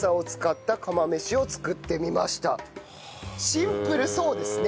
シンプルそうですね。